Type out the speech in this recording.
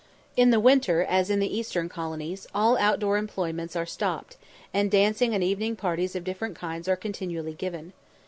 In the winter, as in the eastern colonies, all outdoor employments are stopped, and dancing and evening parties of different kinds are continually given.